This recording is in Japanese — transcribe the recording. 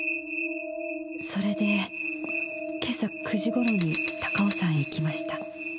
それで今朝９時頃に高尾山へ行きました。